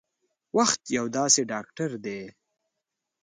وخت یو داسې ډاکټر دی